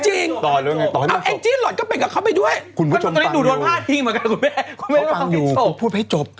ต่อเลยไงต่อให้มันจบคุณผู้ชมฟังอยู่คุณผู้ชมฟังอยู่คุณผู้ชมฟังให้จบ